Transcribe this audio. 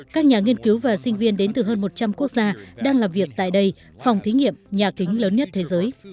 các nhà nghiên cứu và sinh viên đến từ hơn một trăm linh quốc gia đang làm việc tại đây phòng thí nghiệm nhà kính lớn nhất thế giới